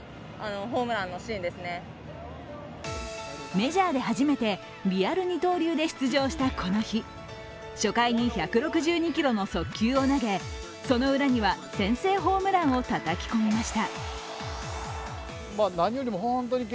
メジャーで初めてリアル二刀流で出場したこの日、初回に１６２キロの速球を投げそのウラには先制ホームランをたたき込みました。